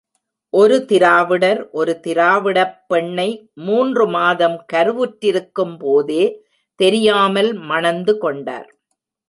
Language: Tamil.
ஒரு திராவிடர், ஒரு திராவிடப் பெண்ணை மூன்று மாதம் கருவுற்றிருக்கும்போதே தெரியாமல் மணந்து கொண்டார்.